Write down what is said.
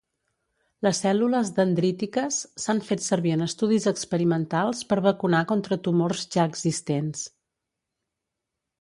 Les cèl·lules dendrítiques s'han fet servir en estudis experimentals per vacunar contra tumors ja existents.